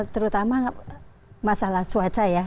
terutama masalah cuaca ya